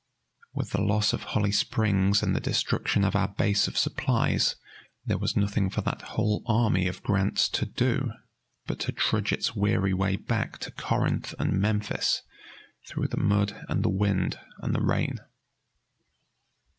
With the loss of Holly Springs and the destruction of our base of supplies there was nothing for that whole army of Grant's to do but to trudge its weary way back to Corinth and Memphis, through the mud and the wind and the rain.